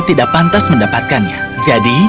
tidak pantas mendapatkannya jadi